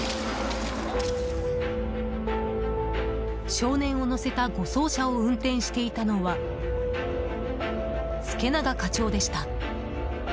少年を乗せた護送車を運転していたのは助永課長でした。